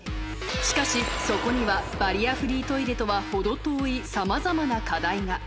しかし、そこにはバリアフリートイレとは程遠いさまざまな課題が。